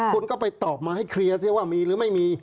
คุณก็ไปตอบมาให้เคลียร์สิว่ามีหรือไม่มี